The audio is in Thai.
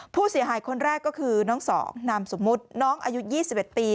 ผู้เสียหายคนแรกก็คือน้องสองนามสมมุติน้องอายุ๒๑ปี